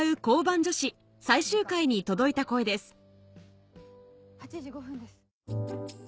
交番女子』最終回に届いた声です